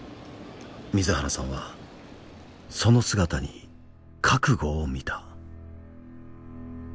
水原さんはその姿に覚悟を見た。